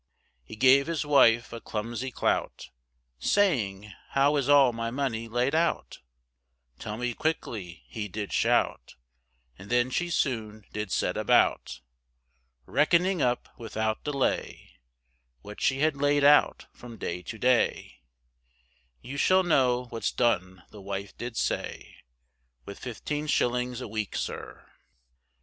He gave his wife a clumsy clout, Saying, how is all my money laid out, Tell me quickly he did shout, And then she soon did set about Reckoning up without delay, What she had laid out from day to day, You shall know what's done, the wife did say, With fifteen shillings a week, sir.